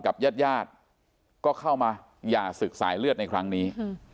กับญาติญาติก็เข้ามาหย่าศึกสายเลือดในครั้งนี้